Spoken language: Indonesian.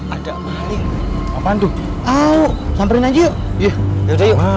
ada apaan tuh tahu sampai nanti yuk yuk yuk yuk